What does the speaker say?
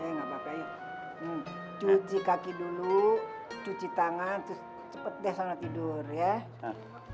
nggak apa apa cuci kaki dulu cuci tangan terus cepet deh sana tidur ya